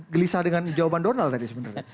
gelisah dengan jawaban donald tadi sebenarnya